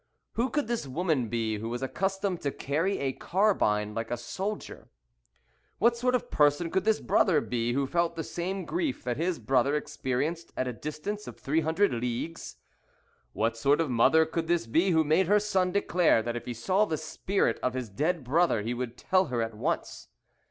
Who could this woman be who was accustomed to carry a carbine like a soldier? What sort of person could this brother be, who felt the same grief that his brother experienced at a distance of three hundred leagues? What sort of mother could this be who made her son declare that if he saw the spirit of his dead brother he would tell her at once?